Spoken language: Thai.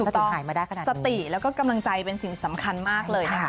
หายมาได้ขนาดสติแล้วก็กำลังใจเป็นสิ่งสำคัญมากเลยนะคะ